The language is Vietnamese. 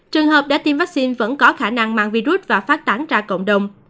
trường hợp đã tiêm vaccine vẫn có khả năng mang virus và phát tán ra cộng đồng